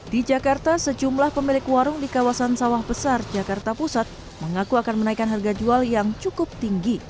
di jakarta sejumlah pemilik warung di kawasan sawah besar jakarta pusat mengaku akan menaikkan harga jual yang cukup tinggi